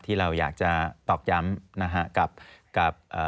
ที่เราอยากจะตอบย้ำกับ